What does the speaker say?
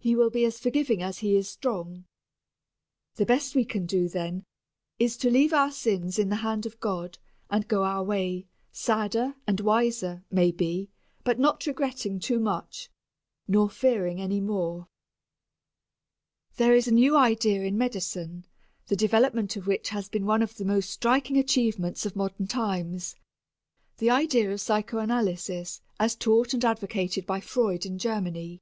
He will be as forgiving as He is strong. The best we can do, then, is to leave our sins in the hand of God and go our way, sadder and wiser, maybe, but not regretting too much, not fearing any more. There is a new idea in medicine the development of which has been one of the most striking achievements of modern times the idea of psychanalysis as taught and advocated by Freud in Germany.